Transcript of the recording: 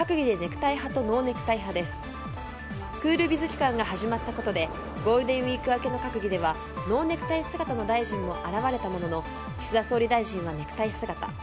クールビズ期間が始まったことでゴールデンウィーク明けの閣議ではノーネクタイ姿の大臣も現れたものの岸田総理大臣はネクタイ姿。